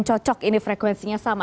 cocok ini frekuensinya sama